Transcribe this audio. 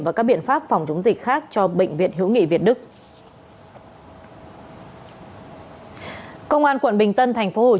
và các biện pháp phòng chống dịch khác cho bệnh viện hữu nghị việt đức